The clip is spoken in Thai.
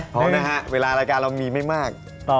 เพราะนะฮะเวลารายการเรามีไม่มาก